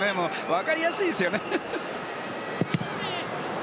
分かりやすいですよね。